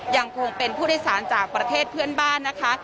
ยังคงเป็นผู้โดยสารจากประเทศเพื่อนบ้านนะคะ